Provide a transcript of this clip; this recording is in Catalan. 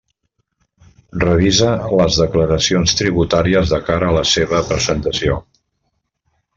Revisa les declaracions tributàries de cara a la seva presentació.